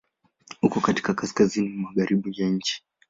Uko katika kaskazini-magharibi ya nchi.